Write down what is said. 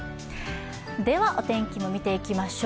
では、お天気も見ていきましょう。